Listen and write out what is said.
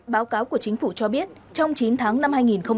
báo cáo của chính phủ cho biết trong chín tháng năm hai nghìn hai mươi